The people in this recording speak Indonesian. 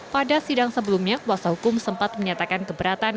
pada sidang sebelumnya kuasa hukum sempat menyatakan keberatan